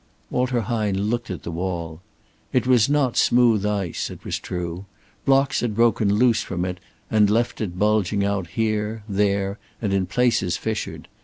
Walter Hine looked at the wall. It was not smooth ice, it was true; blocks had broken loose from it, and had left it bulging out here, there, and in places fissured.